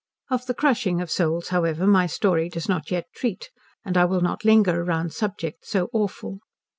Of the crushing of souls, however, my story does not yet treat, and I will not linger round subjects so awful.